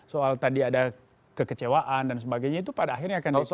soal tadi ada kekecewaan dan sebagainya itu pada akhirnya akan disampaikan